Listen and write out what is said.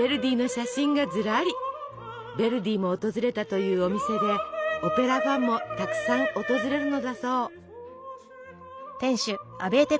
ヴェルディも訪れたというお店でオペラファンもたくさん訪れるのだそう。